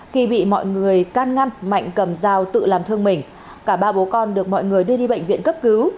khi bị mọi người can ngăn mạnh cầm dao tự làm thương mình cả ba bố con được mọi người đưa đi bệnh viện cấp cứu